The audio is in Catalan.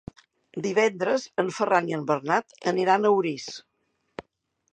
Divendres en Ferran i en Bernat aniran a Orís.